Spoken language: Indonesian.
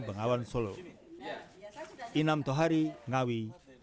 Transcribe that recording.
pengawalan di kabupaten ngawi kan terpencil